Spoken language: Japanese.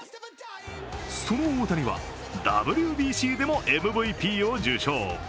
その大谷は、ＷＢＣでもＭＶＰを受賞。